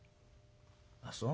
「あっそう。